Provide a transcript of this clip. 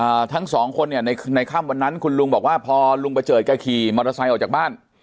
ทั้งสองคนเนี่ยในในค่ำวันนั้นคุณลุงบอกว่าพอลุงประเจิดแกขี่มอเตอร์ไซค์ออกจากบ้าน